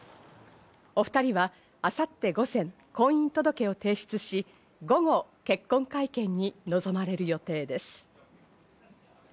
お２人は明後日午前、婚姻届を提出し、午後、結婚会見に臨まれる予定です。